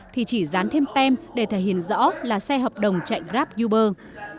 thì chỉ dán thêm tem để thể hiện rõ là xe hợp đồng chạy grab uber